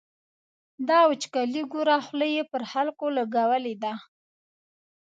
دا وچکالي ګوره، خوله یې پر خلکو لګولې ده.